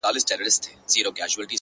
• په زحمت به یې ایستله نفسونه,